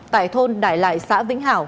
tài thôn đại lại xã vĩnh hảo